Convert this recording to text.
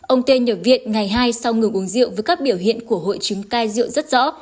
ông tên nhập viện ngày hai sau ngừng uống rượu với các biểu hiện của hội chứng cai rượu rất rõ